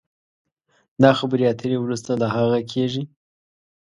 دا خبرې اترې وروسته له هغه کېږي